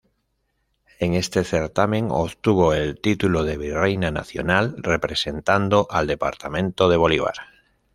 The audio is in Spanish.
En este certamen obtuvo el título de Virreina Nacional, representando al departamento de Bolívar.